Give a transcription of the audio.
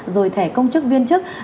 rồi thẻ công chức viên chức